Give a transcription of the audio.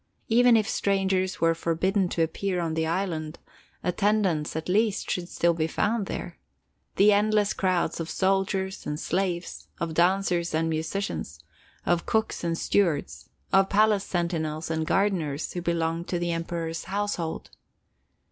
Even if strangers were forbidden to appear on the island, attendants at least should still be found there: the endless crowds of soldiers and slaves; of dancers and musicians; of cooks and stewards; of palace sentinels and gardeners, who belonged to the Emperor's household.